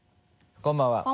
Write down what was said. こんばんは。